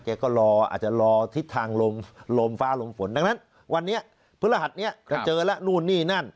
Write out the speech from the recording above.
แกก็รออาจจะรอทิศทางลมฟ้าลมฝนดังนั้นวันนี้พฤหัสนี้จะเจอแล้วนู่นนี่นั่น